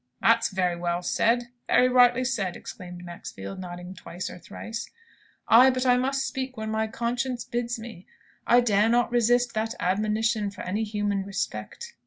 "That's very well said very rightly said!" exclaimed Maxfield, nodding twice or thrice. "Aye, but I must speak when my conscience bids me. I dare not resist that admonition for any human respect."